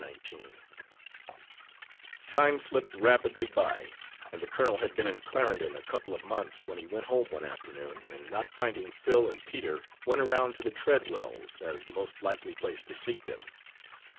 Nineteen Time slipped rapidly by, and the colonel had been in Clarendon a couple of months when he went home one afternoon, and not finding Phil and Peter, went around to the Treadwells' as the most likely place to seek them.